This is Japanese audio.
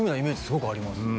すごくあります